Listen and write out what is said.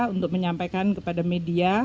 untuk menyampaikan kepada media